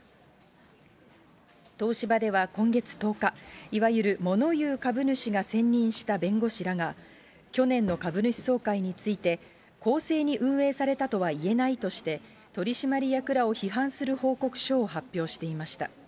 東芝では今月１０日、いわゆるもの言う株主が選任した弁護士らが、去年の株主総会について、公正に運営されたとはいえないとして取締役らを批判する報告書を発表していました。